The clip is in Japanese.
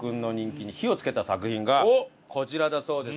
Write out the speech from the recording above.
こちらだそうです。